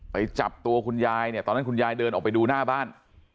ไปจับตัวคุณยายเนี่ยตอนนั้นคุณยายเดินออกไปดูหน้าบ้าน